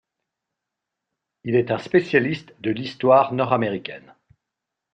Il est un spécialiste de l'histoire nord-américaine.